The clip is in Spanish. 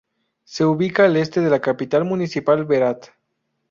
Se ubica al este de la capital municipal Berat.